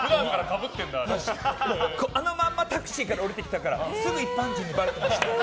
あのまんまタクシーから降りてきたからすぐ一般人にばれてました。